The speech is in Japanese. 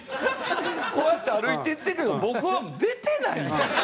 こうやって歩いていってるけど僕は出てないねん。